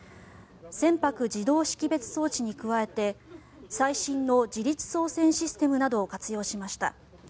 船舶自動識別装置に加えて最新の自律操船システムなどを活用しました。